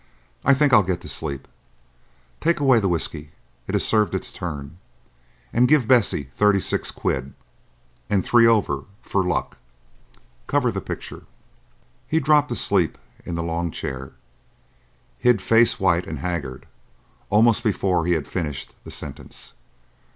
I think I'll get to sleep. Take away the whiskey, it has served its turn, and give Bessie thirty six quid, and three over for luck. Cover the picture." He dropped asleep in the long chair, hid face white and haggard, almost before he had finished the sentence.